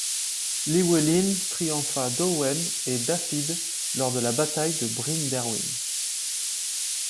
Llywelyn triompha d'Owain et de Dafydd lors de la bataille de Bryn Derwin.